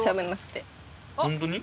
ホントに？